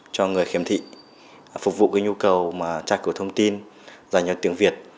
cho người khiếm thị phục vụ cái nhu cầu mà trạch của thông tin dành cho tiếng việt